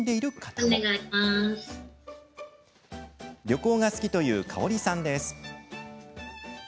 旅行が好きというかおりさんです。